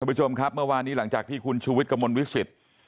ผู้ชมครับเมื่อวานนี้หลังจากที่คุณชูวิทย์กระมวลวิสิต